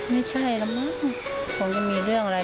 แม่ของแม่แม่ของแม่